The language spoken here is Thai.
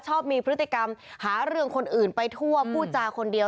ชอบมีพฤติกรรมหาเรื่องคนอื่นไปทั่วพูดจาคนเดียว